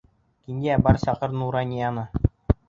Кинйә, бар саҡыр Нуранияны.